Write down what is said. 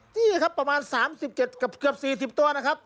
นี่ครับประมาณ๓๗เกือบ๔๐ตัวนะครับ